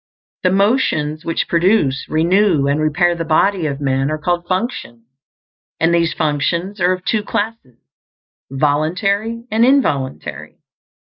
The motions which produce, renew, and repair the body of man are called functions, and these functions are of two classes: voluntary and involuntary.